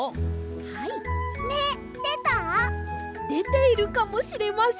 はい。めでた？でているかもしれません。